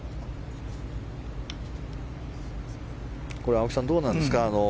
青木さん、どうなんですか？